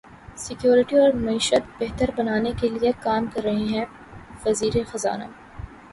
security اور معیشت بہتر بنانے کیلئے کام کر رہے ہیںوزیر خزانہ